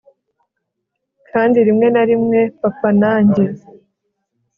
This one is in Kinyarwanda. kandi rimwe na rimwe papa na njye